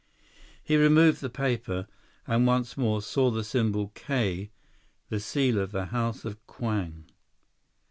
He removed the paper, and once more, saw the symbol "K," the seal of the House of Kwang.